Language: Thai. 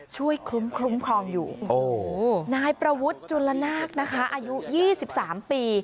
ช่วยคุ้มคลุมพรองอยู่โอ้นายประวุธจนละนากนะคะอายุยี่สิบสามปี